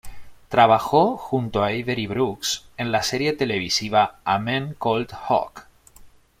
Trabajó junto a Avery Brooks en la serie televisiva "A Man Called Hawk".